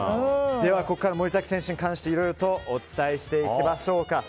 ここからは森崎選手に関していろいろとお伝えしていきましょうか。